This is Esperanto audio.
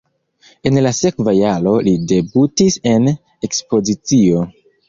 En la sekva jaro li debutis en ekspozicio.